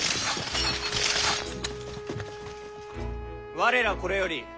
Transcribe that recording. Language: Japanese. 我らこれより本領